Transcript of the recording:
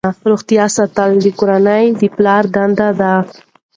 روغتیا ساتل د کورنۍ د پلار دنده ده.